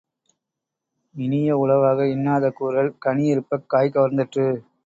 இனிய உளவாக இன்னாத கூறல் கனிஇருப்பக் காய்கவர்ந் தற்று.